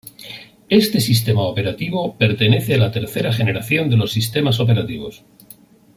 Este sistema operativo pertenece a la tercera generación de los sistemas operativos.